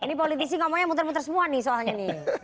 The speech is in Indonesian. ini politisi ngomongnya muter muter semua nih soalnya nih